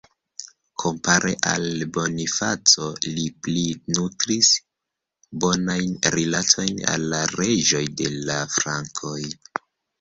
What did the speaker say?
Kompare al Bonifaco, li pli nutris bonajn rilatojn al la reĝoj de la frankoj.